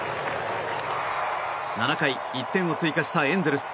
７回１点を追加したエンゼルス。